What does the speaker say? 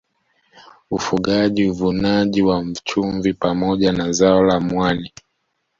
Ufugaji Uvunaji wa chumvi pamoja na zao la mwani